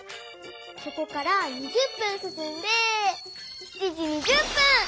そこから２０分すすんで７時２０分！